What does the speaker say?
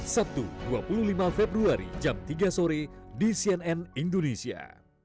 sabtu dua puluh lima februari jam tiga sore di cnn indonesia